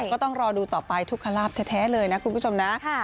ก็ต้องรอดูต่อไปทุกขลาบแท้เลยนะคุณผู้ชมนะ